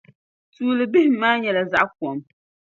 Tuuli bihim maa nyɛla zaɣ' kɔm.